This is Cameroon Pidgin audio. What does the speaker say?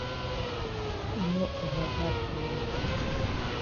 E no over bad dat way.